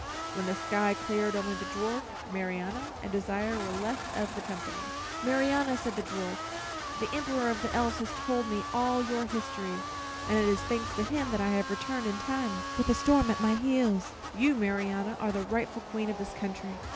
When the sky cleared, only the dwarf, Marianna, and Desire were left of the company. "Marianna," said the little dwarf, "the Emperor of the Elves has told me all your history, and it is thanks to him that I have returned in time, with the storm at my heels. You, Marianna, are the rightful Queen of this country."